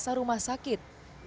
jasa rumah sakit